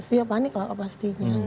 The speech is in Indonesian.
dia panik lah pastinya